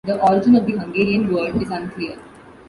The origin of the Hungarian word is unclear.